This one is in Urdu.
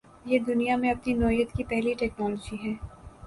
یہ دنیا میں اپنی نوعیت کی پہلی ٹکنالوجی ہے۔